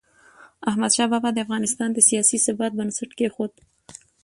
احمدشاه بابا د افغانستان د سیاسي ثبات بنسټ کېښود.